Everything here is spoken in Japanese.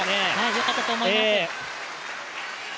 よかったと思います。